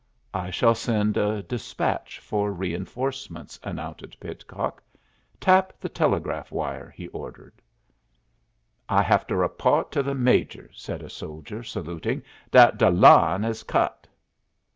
"I shall send a despatch for re enforcements," announced Pidcock. "Tap the telegraph wire," he ordered. "I have to repawt to the Major," said a soldier, saluting, "dat de line is cut."